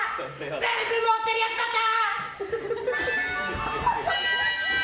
全部持ってるやつだった！